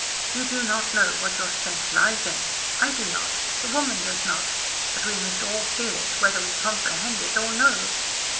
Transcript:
You do not know what your strength lies in. I do not, the woman does not, but we must all feel it, whether we comprehend it or no.